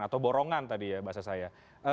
atau borongan tadi ya bahasa saya